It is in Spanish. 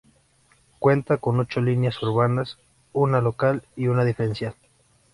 Cuenta con ocho líneas urbanas, una local y una diferencial.